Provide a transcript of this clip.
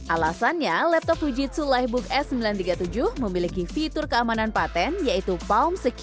alasannya laptop fujitsu livebook s sembilan ratus tiga puluh tujuh memiliki fitur keamanan patent yaitu palm secur